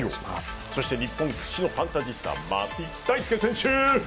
そして日本屈指のファンタジスタ松井大輔選手。